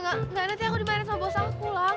nanti aku dimarahin sama bos aku pulang